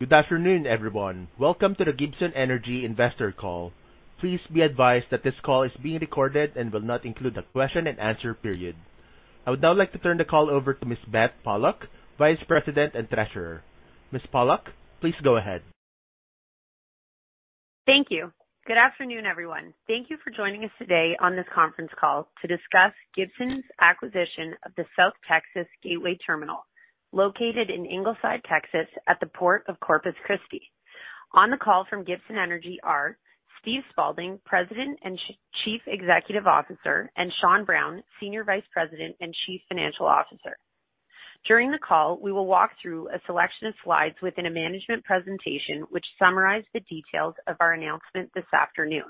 Good afternoon, everyone. Welcome to the Gibson Energy Investor Call. Please be advised that this call is being recorded and will not include a question-and-answer period. I would now like to turn the call over to Ms. Beth Pollock, Vice President and Treasurer. Ms. Pollock, please go ahead. Thank you. Good afternoon, everyone. Thank you for joining us today on this conference call to discuss Gibson Energy's acquisition of the South Texas Gateway Terminal, located in Ingleside, Texas, at the Port of Corpus Christi. On the call from Gibson Energy are Steve Spaulding, President and Chief Executive Officer, and Sean Brown, Senior Vice President and Chief Financial Officer. During the call, we will walk through a selection of slides within a management presentation, which summarize the details of our announcement this afternoon.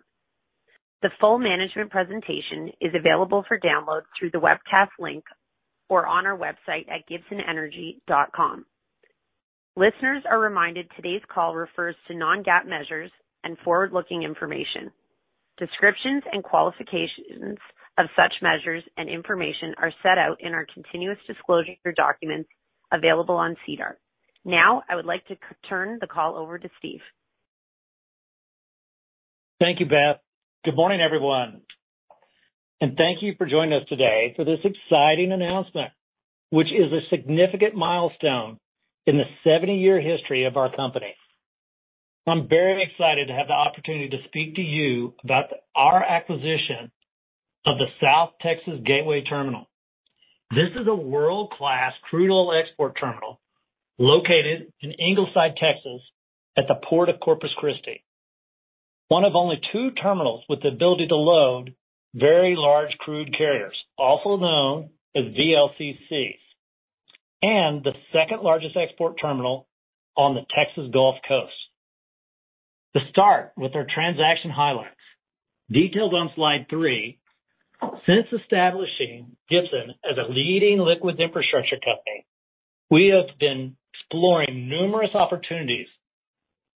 The full management presentation is available for download through the webcast link or on our website at gibsonenergy.com. Listeners are reminded today's call refers to non-GAAP measures and forward-looking information. Descriptions and qualifications of such measures and information are set out in our continuous disclosure documents available on SEDAR. Now, I would like to turn the call over to Steve. Thank you, Beth. Good morning, everyone. Thank you for joining us today for this exciting announcement, which is a significant milestone in the 70-year history of our company. I'm very excited to have the opportunity to speak to you about our acquisition of the South Texas Gateway Terminal. This is a world-class crude oil export terminal located in Ingleside, Texas, at the Port of Corpus Christi. One of only two terminals with the ability to load very large crude carriers, also known as VLCC, and the second-largest export terminal on the Texas Gulf Coast. To start with our transaction highlights, detailed on slide three, since establishing Gibson as a leading liquid infrastructure company, we have been exploring numerous opportunities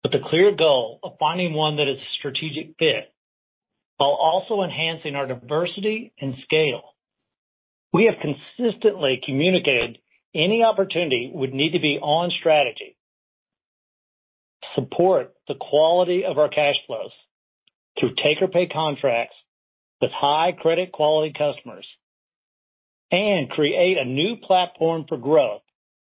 with the clear goal of finding one that is a strategic fit, while also enhancing our diversity and scale. We have consistently communicated any opportunity would need to be on strategy, support the quality of our cash flows through take-or-pay contracts with high credit quality customers, and create a new platform for growth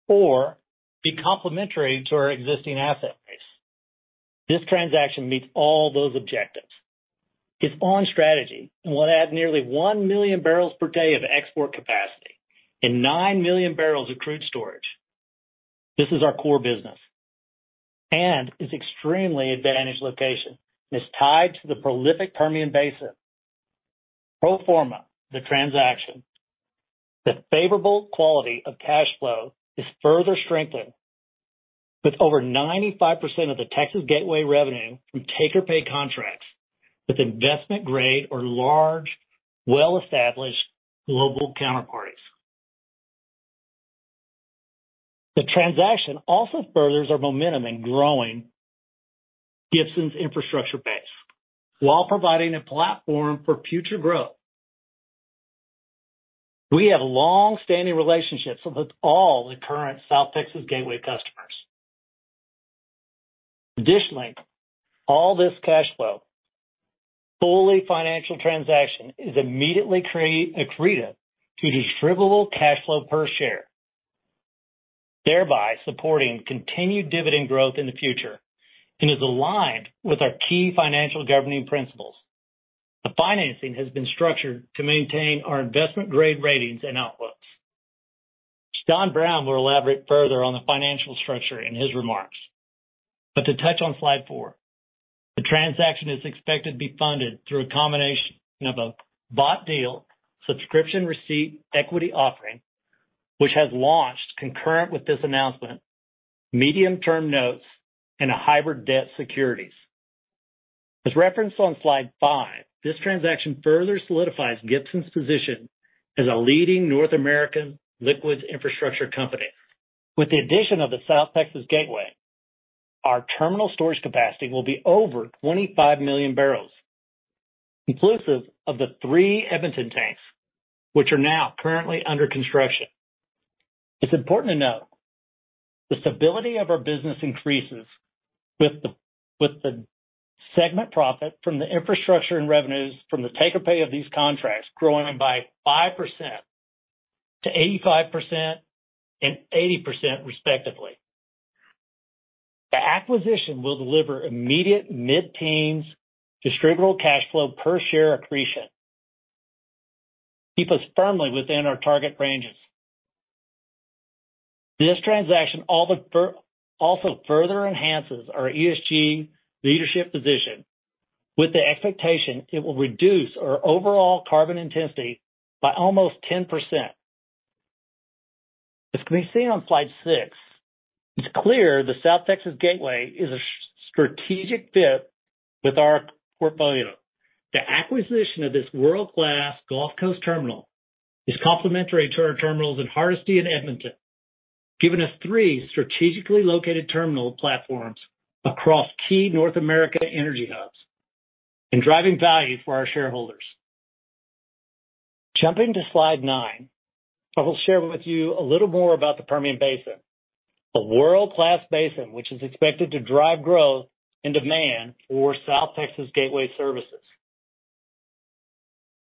or be complementary to our existing asset base. This transaction meets all those objectives. It's on strategy and will add nearly 1 million barrels per day of export capacity and 9 million barrels of crude storage. This is our core business and its extremely advantaged location is tied to the prolific Permian Basin. Pro forma, the transaction, the favorable quality of cash flow is further strengthened, with over 95% of the Texas gateway revenue from take-or-pay contracts, with investment-grade or large, well-established global counterparties. The transaction also furthers our momentum in growing Gibson's infrastructure base while providing a platform for future growth. We have long-standing relationships with all the current South Texas Gateway customers. Additionally, all this cash flow, fully financial transaction, is immediately accreted to distributable cash flow per share, thereby supporting continued dividend growth in the future and is aligned with our key financial governing principles. The financing has been structured to maintain our investment-grade ratings and outlooks. Sean Brown will elaborate further on the financial structure in his remarks. To touch on slide four, the transaction is expected to be funded through a combination of a bought deal, subscription receipt, equity offering, which has launched concurrent with this announcement, medium-term notes and a hybrid debt securities. As referenced on slide five, this transaction further solidifies Gibson's position as a leading North American liquids infrastructure company. With the addition of the South Texas Gateway, our terminal storage capacity will be over 25 million barrels, inclusive of the three Edmonton tanks, which are now currently under construction. It's important to note the stability of our business increases with the segment profit from the infrastructure and revenues from the take-or-pay of these contracts growing by 5% to 85% and 80%, respectively. The acquisition will deliver immediate mid-teens distributable cash flow per share accretion. Keep us firmly within our target ranges. This transaction also further enhances our ESG leadership position with the expectation it will reduce our overall carbon intensity by almost 10%. As can be seen on slide six, it's clear the South Texas Gateway is a strategic fit with our portfolio. The acquisition of this world-class Gulf Coast terminal is complementary to our terminals in Hardisty and Edmonton, giving us three strategically located terminal platforms across key North America energy hubs and driving value for our shareholders. Jumping to slide nine, I will share with you a little more about the Permian Basin, a world-class basin, which is expected to drive growth and demand for South Texas Gateway services.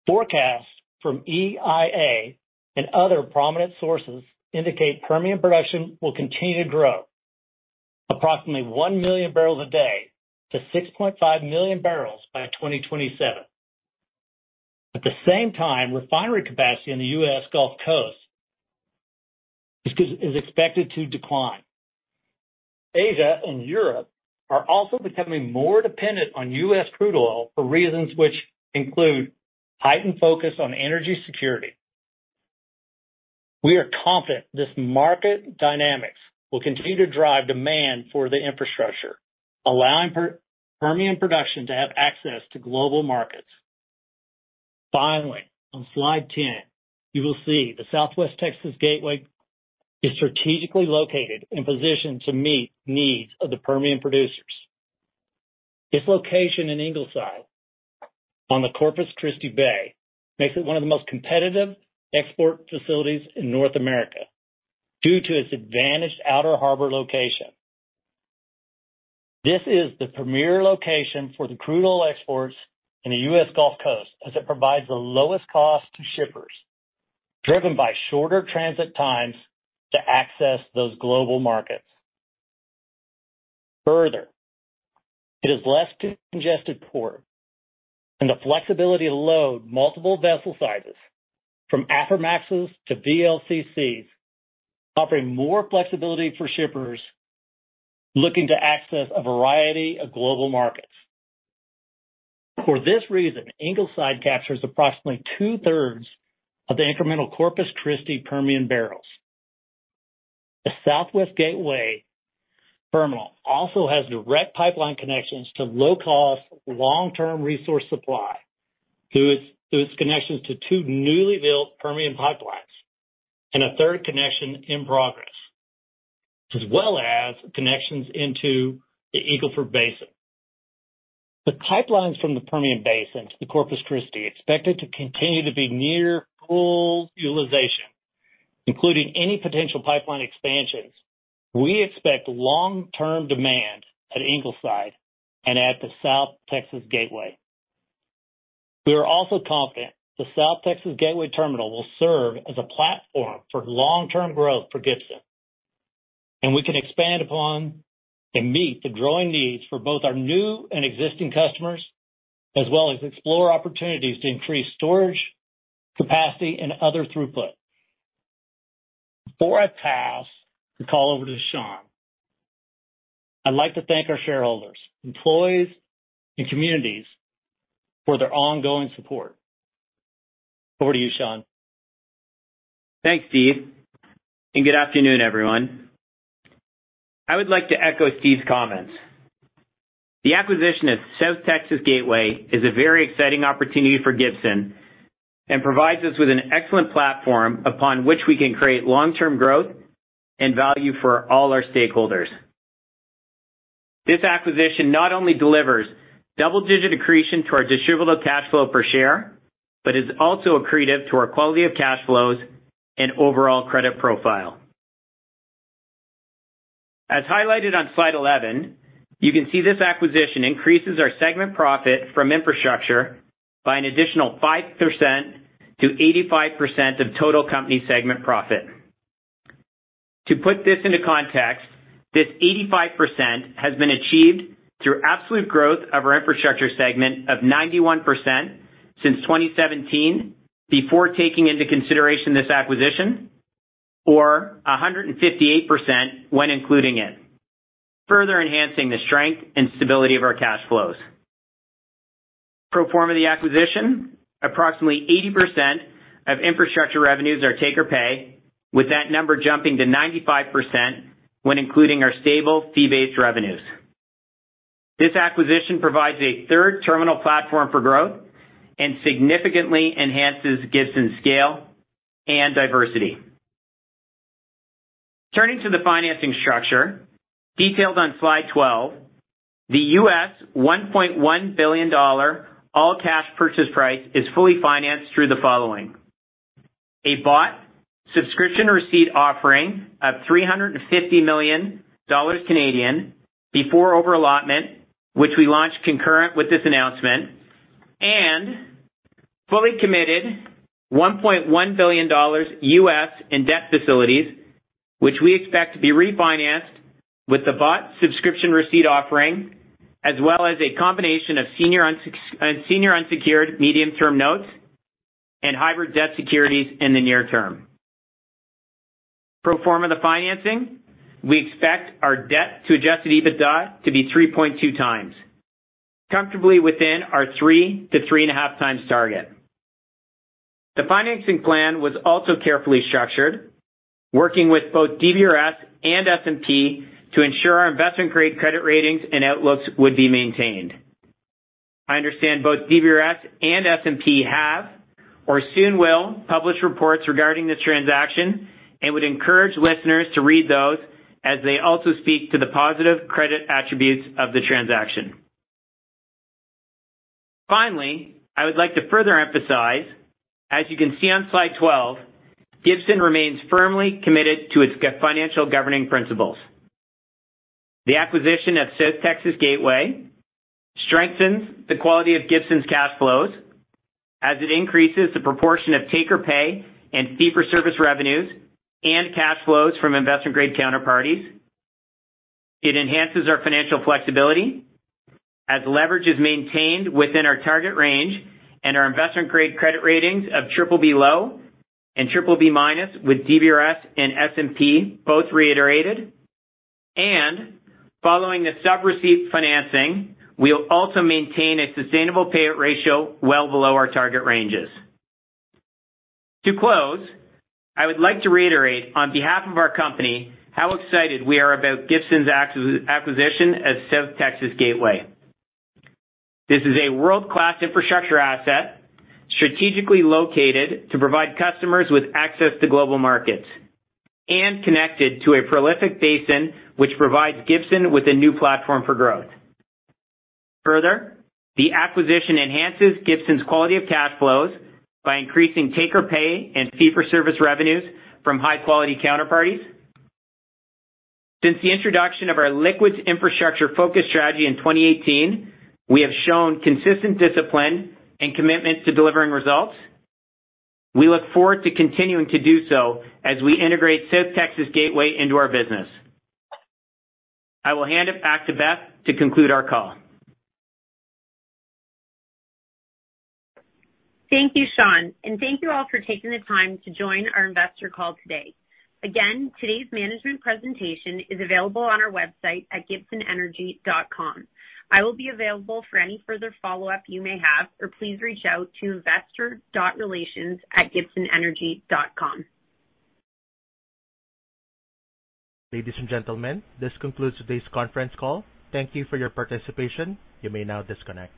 Forecasts from EIA and other prominent sources indicate Permian production will continue to grow approximately 1 million barrels a day to 6.5 million barrels by 2027. At the same time, refinery capacity in the U.S. Gulf Coast is expected to decline. Asia and Europe are also becoming more dependent on U.S. crude oil for reasons which include heightened focus on energy security. We are confident this market dynamics will continue to drive demand for the infrastructure, allowing Permian production to have access to global markets. Finally, on slide 10, you will see the South Texas Gateway is strategically located and positioned to meet needs of the Permian producers. Its location in Ingleside on the Corpus Christi Bay makes it one of the most competitive export facilities in North America due to its advantaged outer harbor location. This is the premier location for the crude oil exports in the U.S. Gulf Coast, as it provides the lowest cost to shippers, driven by shorter transit times to access those global markets. It is less congested port and the flexibility to load multiple vessel sizes from Aframaxes to VLCCs, offering more flexibility for shippers looking to access a variety of global markets. For this reason, Ingleside captures approximately two-thirds of the incremental Corpus Christi Permian barrels. The South Texas Gateway terminal also has direct pipeline connections to low-cost, long-term resource supply through its connections to two newly built Permian pipelines and a third connection in progress, as well as connections into the Eagle Ford Basin. The pipelines from the Permian Basin to the Corpus Christi expected to continue to be near full utilization, including any potential pipeline expansions. We expect long-term demand at Ingleside and at the South Texas Gateway. We are also confident the South Texas Gateway Terminal will serve as a platform for long-term growth for Gibson, and we can expand upon and meet the growing needs for both our new and existing customers, as well as explore opportunities to increase storage, capacity, and other throughput. Before I pass the call over to Sean, I'd like to thank our shareholders, employees, and communities for their ongoing support. Over to you, Sean. Thanks, Steve. Good afternoon, everyone. I would like to echo Steve's comments. The acquisition of South Texas Gateway is a very exciting opportunity for Gibson and provides us with an excellent platform upon which we can create long-term growth and value for all our stakeholders. This acquisition not only delivers double-digit accretion to our distributable cash flow per share, but is also accretive to our quality of cash flows and overall credit profile. As highlighted on slide 11, you can see this acquisition increases our segment profit from infrastructure by an additional 5% to 85% of total company segment profit. To put this into context, this 85% has been achieved through absolute growth of our infrastructure segment of 91% since 2017, before taking into consideration this acquisition, or 158% when including it, further enhancing the strength and stability of our cash flows. Pro forma the acquisition, approximately 80% of infrastructure revenues are take-or-pay, with that number jumping to 95% when including our stable fee-based revenues. This acquisition provides a third terminal platform for growth and significantly enhances Gibson's scale and diversity. Turning to the financing structure, detailed on slide 12, the $1.1 billion all-cash purchase price is fully financed through the following. A bought Subscription Receipt offering of 350 million Canadian dollars before over-allotment, which we launched concurrent with this announcement, and fully committed $1.1 billion in debt facilities, which we expect to be refinanced with the bought Subscription Receipt offering, as well as a combination of senior unsecured medium-term notes and hybrid debt securities in the near term. Pro forma the financing, we expect our debt to adjusted EBITDA to be 3.2x, comfortably within our 3x-3.5x target. The financing plan was also carefully structured, working with both DBRS and S&P to ensure our investment-grade credit ratings and outlooks would be maintained. I understand both DBRS and S&P have or soon will publish reports regarding this transaction and would encourage listeners to read those as they also speak to the positive credit attributes of the transaction. I would like to further emphasize, as you can see on slide 12, Gibson remains firmly committed to its financial governing principles. The acquisition of South Texas Gateway strengthens the quality of Gibson's cash flows as it increases the proportion of take-or-pay and fee-for-service revenues and cash flows from investment-grade counterparties. It enhances our financial flexibility as leverage is maintained within our target range and our investment-grade credit ratings of BBB (low) and BBB-, with DBRS and S&P both reiterated. Following the sub-receipt financing, we'll also maintain a sustainable payout ratio well below our target ranges. To close, I would like to reiterate on behalf of our company, how excited we are about Gibson's acquisition of South Texas Gateway. This is a world-class infrastructure asset, strategically located to provide customers with access to global markets and connected to a prolific basin, which provides Gibson with a new platform for growth. The acquisition enhances Gibson's quality of cash flows by increasing take-or-pay and fee-for-service revenues from high-quality counterparties. Since the introduction of our liquids infrastructure focus strategy in 2018, we have shown consistent discipline and commitment to delivering results. We look forward to continuing to do so as we integrate South Texas Gateway into our business. I will hand it back to Beth to conclude our call. Thank you, Sean, and thank you all for taking the time to join our investor call today. Again, today's management presentation is available on our website at gibsonenergy.com. I will be available for any further follow-up you may have, or please reach out to investor.relations@gibsonenergy.com. Ladies and gentlemen, this concludes today's conference call. Thank you for your participation. You may now disconnect.